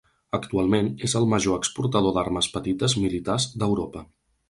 Actualment és el major exportador d'armes petites militars d'Europa.